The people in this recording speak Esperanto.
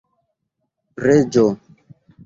reĝo